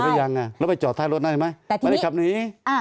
เห็นไหมยังแล้วไปจอดใต้รถได้ไหมไม่ได้ขับนี้